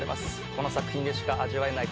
この作品でしか味わえない